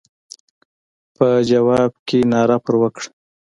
په ځواب کې ناره پر وکړه.